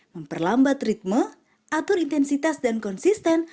memperlambat ritme atur intensitas dan konsisten